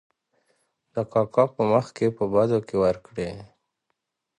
د کاکا په مخکې په بدو کې ور کړې .